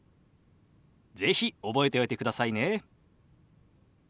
是非覚えておいてくださいね。